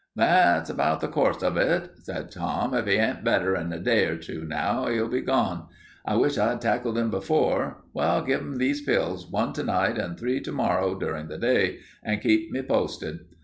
"That's about the course of it," said Tom. "If 'e ain't better in a day or two now, 'e'll be gone. I wish I'd tackled 'im before. Well, give 'im these pills, one to night and three to morrow, during the day, and keep me posted."